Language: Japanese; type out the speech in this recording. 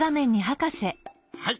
はい。